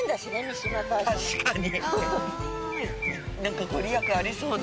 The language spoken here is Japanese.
確かに。